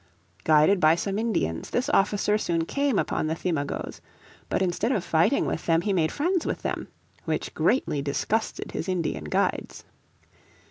Guided by some Indians, this officer soon came upon the Thimagoes. But instead of fighting with them he made friends with them, which greatly disgusted his Indian guides.